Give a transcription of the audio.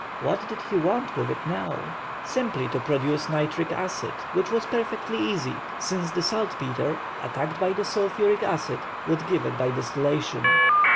What did he want with it now? Simply to produce nitric acid, which was perfectly easy, since the saltpetre, attacked by the sulphuric acid, would give it by distillation.